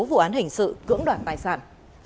vụ án hình sự cưỡng đoạn tài sản